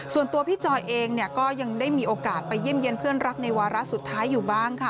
ส่วนตัวพี่จอยเองก็ยังได้มีโอกาสไปเยี่ยมเยี่ยมเพื่อนรักในวาระสุดท้ายอยู่บ้างค่ะ